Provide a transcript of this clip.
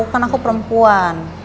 kan aku perempuan